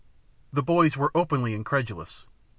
The boys were openly incredulous.